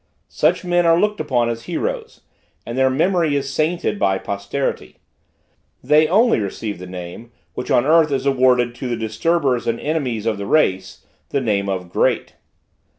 Such men are looked upon as heroes, and their memory is sainted by posterity. They only receive the name, which on the earth is awarded to the disturbers and enemies of the race the name of great!